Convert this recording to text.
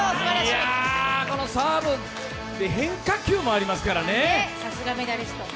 このサーブ、変化球もありますからね。